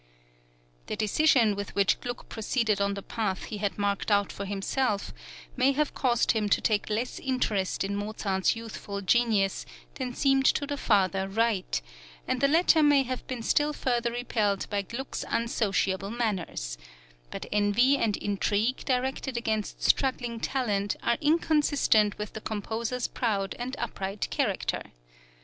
The decision with which Gluck proceeded on the path he had marked out for himself may have caused him to take less interest in Mozart's youthful genius than seemed to the father right, and the latter may have been still further repelled by Gluck's unsociable manners; but envy and intrigue directed against struggling talent are inconsistent with the composer's proud and upright character.